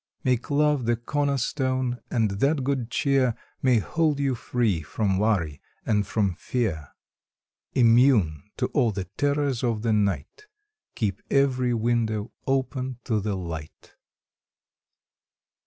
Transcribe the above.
Make Love the cornerstone, and that good cheer May hold you free from worry and from fear, Immune to all the terrors of the night, Keep every window open to the light.